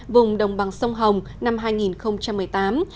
vùng đồng bằng sông hồng năm hai nghìn một mươi tám